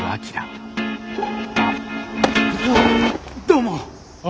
どうも！